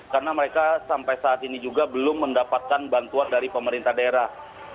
karena mereka sampai saat ini juga belum mendapatkan bantuan dari pemerintah daerah